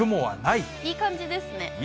いい感じですね。